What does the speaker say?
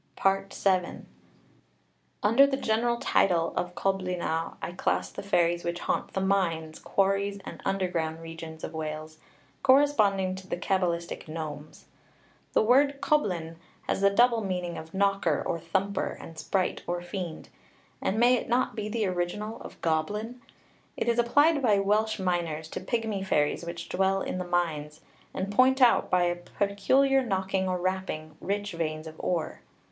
[Illustration: PWCA. COBLYNAU.] VII. Under the general title of Coblynau I class the fairies which haunt the mines, quarries and underground regions of Wales, corresponding to the cabalistic Gnomes. The word coblyn has the double meaning of knocker or thumper and sprite or fiend; and may it not be the original of goblin? It is applied by Welsh miners to pigmy fairies which dwell in the mines, and point out, by a peculiar knocking or rapping, rich veins of ore.